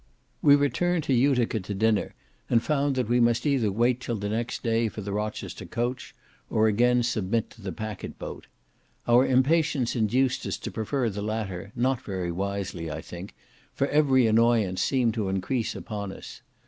We returned to Utica to dinner, and found that we must either wait till the next day for the Rochester coach, or again submit to the packet boat. Our impatience induced us to prefer the latter, not very wisely, I think, for every annoyance seemed to increase upon us.